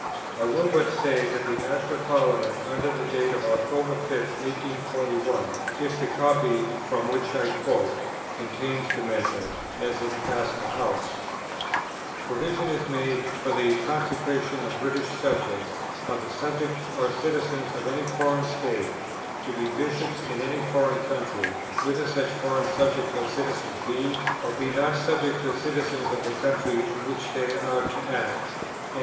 I will but say that in the Act of Parliament, under date of October 5, 1841, (if the copy, from which I quote, contains the measure as it passed the Houses,) provision is made for the consecration of "British subjects, or the subjects or citizens of any foreign state, to be Bishops in any foreign country, whether such foreign subjects or citizens be or be not subjects or citizens of the country in which they are to act, and